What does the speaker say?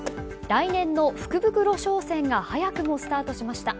来年の福袋商戦が早くもスタートしました。